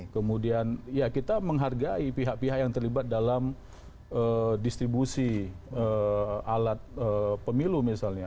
kemudian ya kita menghargai pihak pihak yang terlibat dalam distribusi alat pemilu misalnya